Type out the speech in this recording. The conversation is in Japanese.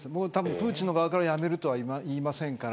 プーチンの側からやめるとは言いませんから。